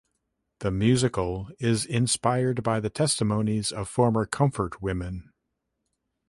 The musical is inspired by the testimonies of former comfort women.